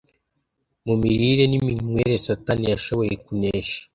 mu mirire niminywere Satani yashoboye kunesha